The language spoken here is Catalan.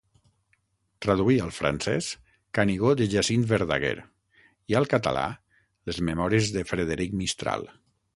Traduí al francès Canigó de Jacint Verdaguer i al català les memòries de Frederic Mistral.